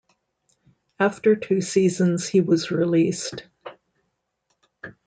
After two seasons he was released.